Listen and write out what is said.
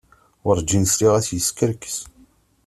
Werǧin sliɣ-as yeskerkes.